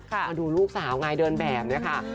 เราดูลูกสาวไงเดินแบบนะคะ